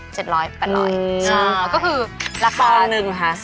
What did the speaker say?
ใช่ก็คือราคาสูงขึ้นปอนหนึ่งค่ะ